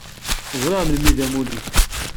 Zṛiɣ melmi i d amulli-ik.